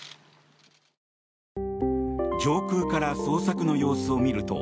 上空から捜索の様子を見ると